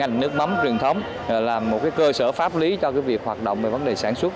ngành nước mắm truyền thống là một cơ sở pháp lý cho việc hoạt động về vấn đề sản xuất